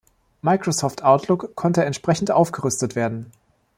Microsoft Outlook konnte entsprechend aufgerüstet werden.